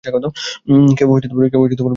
কেউ ফোন তুলছে না, গুরু।